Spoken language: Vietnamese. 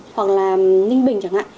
hoặc là ninh bình chẳng hạn